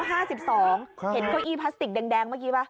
เก้าอี้พลาสติกแดงเมื่อกี้ป่ะ